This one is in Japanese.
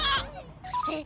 えっ？